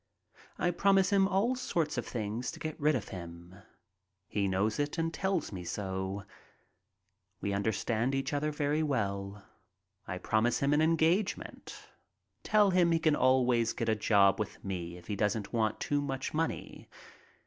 I promise him all sorts of things to get rid of him. He knows it and tells me so. We understand each other very well. I promise him an engagement. Tell him he can always get a job with me if he doesn't want too much money.